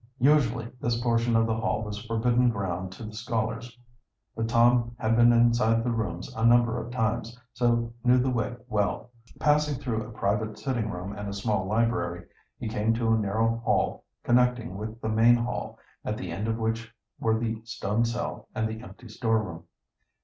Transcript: Usually this portion of the Hall was forbidden ground to the scholars. But Tom had been inside the rooms a number of times, so knew the way well. Passing through a private sitting room and a small library, he came to a narrow hall connecting with the main hall, at the end of which were the stone cell and the empty storeroom.